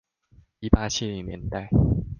一八七零年代